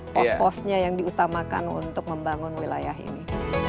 pos posnya yang diutamakan untuk membangun wilayah ini